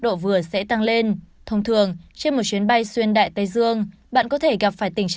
độ vừa sẽ tăng lên thông thường trên một chuyến bay xuyên đại tây dương bạn có thể gặp phải tình